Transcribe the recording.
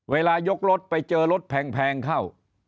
เวลายกรถไปเจอรถแพงเข้า